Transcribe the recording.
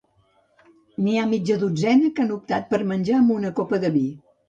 N'hi ha mitja dotzena que han optat per menjar amb una copa de vi.